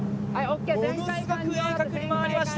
ものすごく鋭角に回りました。